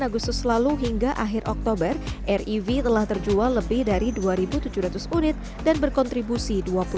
agustus lalu hingga akhir oktober rev telah terjual lebih dari dua tujuh ratus unit dan berkontribusi